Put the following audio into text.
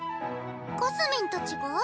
かすみんたちが？